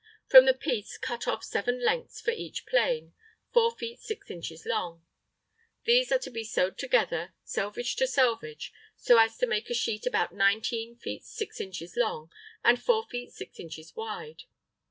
From the piece cut off 7 lengths for each plane, 4 feet 6 inches long. These are to be sewed together, selvage to selvage, so as to make a sheet about 19 feet 6 inches long and 4 feet 6 inches wide.